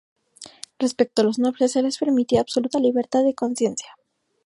Respecto a los nobles, se les permitía absoluta libertad de conciencia.